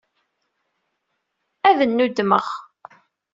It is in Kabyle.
Ad nnuddmeɣ.